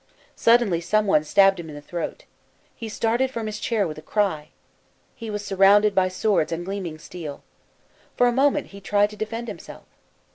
Suddenly some one stabbed him in the throat. He started from his chair with a cry. He was surrounded by swords and gleaming steel. For a moment he tried to defend himself.